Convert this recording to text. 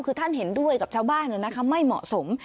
คือท่านเห็นด้วยกับชาวบ้านไม่เหมาะสม